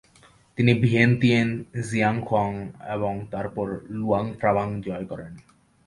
তিনি Vientiane, Xieng Khouang এবং তারপর লুয়াং ফ্রাবাং জয় করেন ।